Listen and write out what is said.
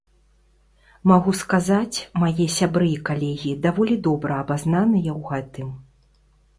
Магу сказаць, мае сябры і калегі даволі добра абазнаныя ў гэтым.